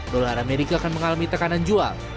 dolar amerika akan mengalami tekanan jual